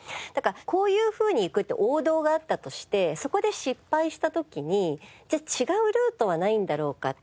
だからこういうふうにいくって王道があったとしてそこで失敗した時にじゃあ違うルートはないんだろうか？